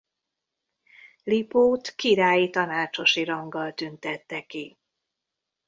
Lipót királyi tanácsosi ranggal tüntette ki.